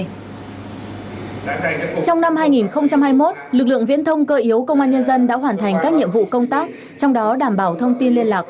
trong năm hai nghìn hai mươi một lực lượng viễn thông cơ yếu công an nhân dân đã hoàn thành các nhiệm vụ công tác trong đó đảm bảo thông tin liên lạc